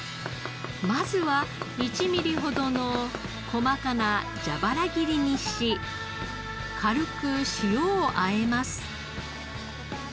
まずは１ミリほどの細かな蛇腹切りにし軽く塩をあえます。